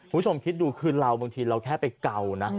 ผู้ชมคิดดูคือเราบางทีแก้ไปเก่านะ